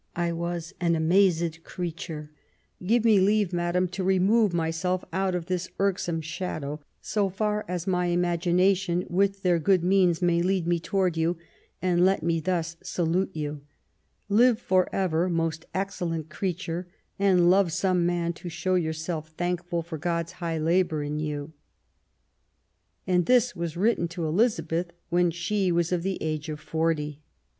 I was an amazed creature. Give me leave, madam, to remove myself out of this irksome shadow so far as my imagination with their good means may lead me towards you : and let me thus salute you : Live for ever, most excellent creature, and love some man to show yourself thankful for God's high labour in you." 152 QUEEN ELIZABETH, And this was written to Elizabeth when she was of the age of forty